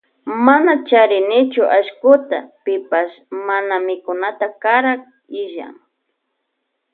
Mana charinichu allkuta pipash mana mikunata karak illan.